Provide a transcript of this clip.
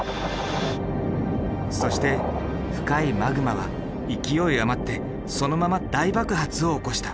そして深いマグマは勢い余ってそのまま大爆発を起こした。